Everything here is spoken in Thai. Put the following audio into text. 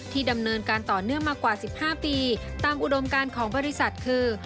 ดำเนินการต่อเนื่องมากว่า๑๕ปีตามอุดมการของบริษัทคือ